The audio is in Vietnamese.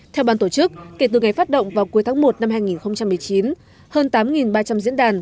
theo ban tổ chức kể từ ngày phát động vào cuối tháng một năm hai nghìn một mươi chín hơn tám ba trăm linh diễn đàn